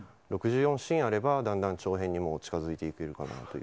６４シーンあればだんだん長編にも近づけるかなと。